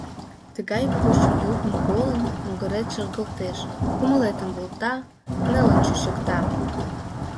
Тыгай пуч йӱкым колын, могырет шергылтеш, кумылетым волта, нелын чучыкта.